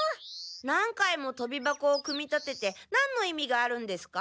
何回もとび箱を組み立ててなんの意味があるんですか？